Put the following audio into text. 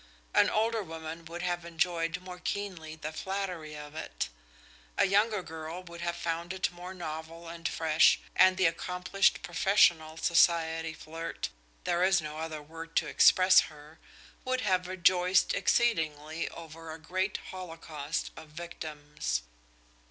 An older woman would have enjoyed more keenly the flattery of it; a younger girl would have found it more novel and fresh, and the accomplished professional society flirt there is no other word to express her would have rejoiced exceedingly over a great holocaust of victims.